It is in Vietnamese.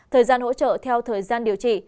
thời gian hỗ trợ theo thời gian điều trị